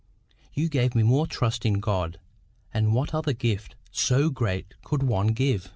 You gave me more trust in God; and what other gift so great could one give?